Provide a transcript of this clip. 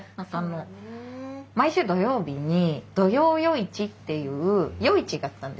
そうだねえ。毎週土曜日に土曜夜市っていう夜市があったんですよ。